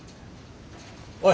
おい。